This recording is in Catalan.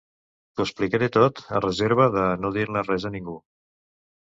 T'ho explicaré tot a reserva de no dir-ne res a ningú.